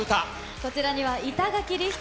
こちらには板垣李光人